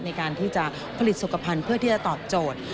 ในการผลิตสุขพันธุ์เพื่อตอบโจทย์